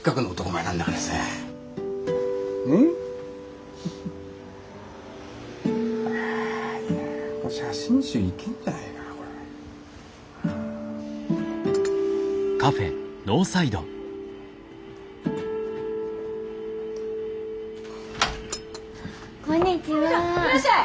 いらっしゃい。